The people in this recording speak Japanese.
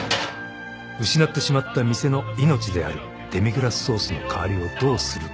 ［失ってしまった店の命であるデミグラスソースの代わりをどうするか］